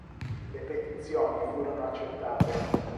Le petizioni furono accettate.